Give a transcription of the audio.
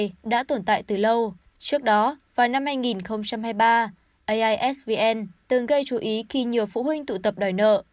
ai đã tồn tại từ lâu trước đó vào năm hai nghìn hai mươi ba aisvn từng gây chú ý khi nhiều phụ huynh tụ tập đòi nợ